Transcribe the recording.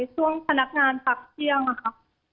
ช่วงพนักงานพักเที่ยงค่ะ